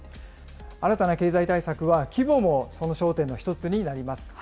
新たな経済対策は規模もその焦点の１つになります。